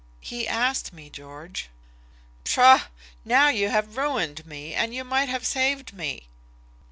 "He asked me, George." "Psha! now you have ruined me, and you might have saved me."